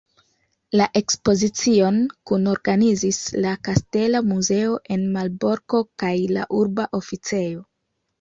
La ekspozicion kunorganizis la Kastela Muzeo en Malborko kaj la Urba Oficejo.